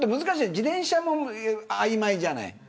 自転車も今、あいまいじゃない。